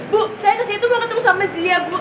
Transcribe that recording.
bu saya ke situ mau ketemu sama zia bu